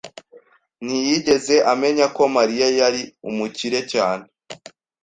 ntiyigeze amenya ko Mariya yari umukire cyane.